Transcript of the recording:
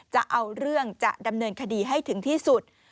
จะเอาเรื่องจะดำเนินคดีให้ถึงที่สุด